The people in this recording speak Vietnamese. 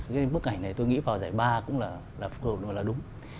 cái bức ảnh này tôi nghĩ vào giải ba cũng là đúng